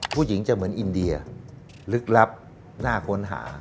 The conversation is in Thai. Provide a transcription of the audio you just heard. ผู้หญิงจะเหมือนอินเดียลึกลับน่าค้นหา